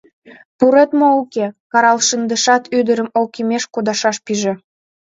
— Пурет мо, уке?! — карал шындышат, ӱдырым ӧкымеш кудашаш пиже.